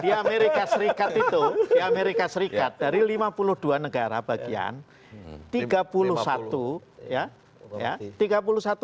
di amerika serikat itu di amerika serikat dari lima puluh dua negara bagian tiga puluh satu ya